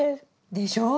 でしょう？